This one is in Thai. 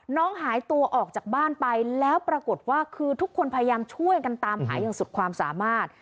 น้องหายตัวออกจากบ้านไปแล้วปรากฏว่าคือทุกคนพยายามช่วยกันตามหาอย่างสุดความสามารถ